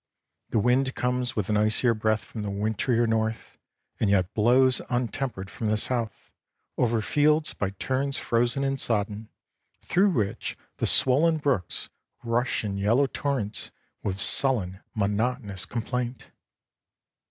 The wind comes with an icier breath from the wintrier north, and yet blows untempered from the south, over fields by turns frozen and sodden, through which the swollen brooks rush in yellow torrents with sullen monotonous complaint.